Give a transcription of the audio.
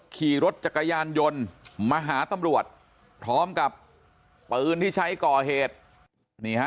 ขี่รถจักรยานยนต์มาหาตำรวจพร้อมกับปืนที่ใช้ก่อเหตุนี่ฮะ